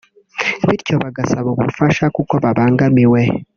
bityo bagasaba ubufasha kuko babangamiwe